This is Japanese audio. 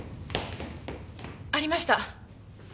ありました！